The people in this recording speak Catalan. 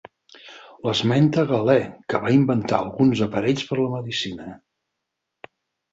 L'esmenta Galè que va inventar alguns aparells per la medicina.